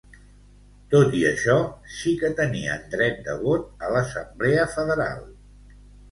Tot i això, sí que tenien dret de vot a l'Assemblea federal.